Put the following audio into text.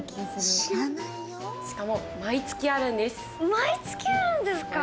毎月あるんですか！